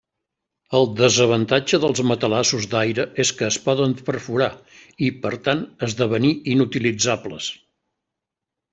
El desavantatge dels matalassos d'aire és que es poden perforar i, per tant, esdevenir inutilitzables.